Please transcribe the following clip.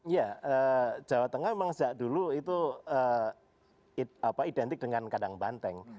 ya jawa tengah memang sejak dulu itu identik dengan kadang banteng